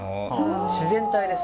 自然体です。